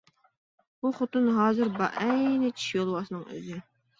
ئۇ خوتۇن ھازىر بەئەينى چىشى يولۋاسنىڭ ئۆزى.